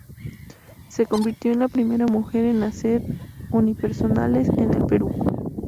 Se convirtió en la primera mujer en hacer unipersonales en el Perú.